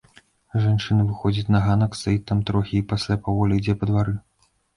Жанчына выходзіць на ганак, стаіць там трохі і пасля паволі ідзе па двары.